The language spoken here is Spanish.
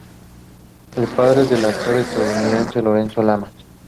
Es padre del actor estadounidense Lorenzo Lamas.